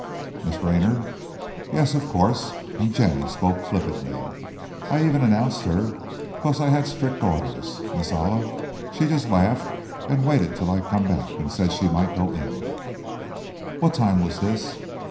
"Miss Raynor?" "Yes, of course!" and Jenny spoke flippantly. "I even announced her, 'cause I had strick orders. Miss Olive, she just laughed and waited till I come back and said she might go in." "What time was this?"